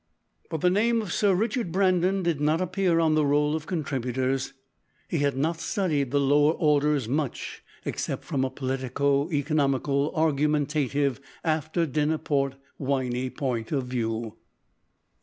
But the name of Sir Richard Brandon did not appear on the roll of contributors. He had not studied the "lower orders" much, except from a politico economical argumentative after dinner port winey point of view.